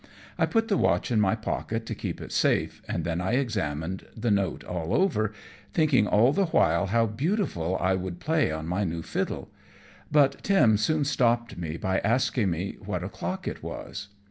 I put the watch in my pocket to keep it safe, and then I examined the note all over, thinking all the while how beautiful I would play on my new fiddle; but Tim soon stopped me by asking me what o'clock it was.